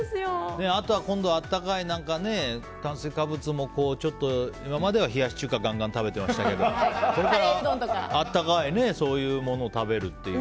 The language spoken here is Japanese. あとは今度温かい炭水化物も今までは冷やし中華ガンガン食べてましたけどこれからあったかいそういうものを食べるっていう。